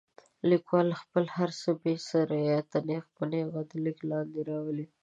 لیکوال خپل هر څه بې څه رعایته نیغ په نیغه د لیک لاندې راولي.